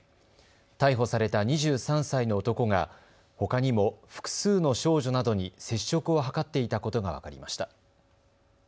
逮捕された２３歳の男がほかにも複数の少女などに接触を図っていたことが分かりました。